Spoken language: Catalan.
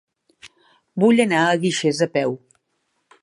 Vull anar a Guixers a peu.